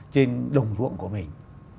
trên đồng ruộng của mình